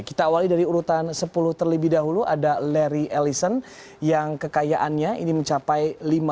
kita awali dari urutan sepuluh terlebih dahulu ada larry ellison yang kekayaannya ini mencapai lima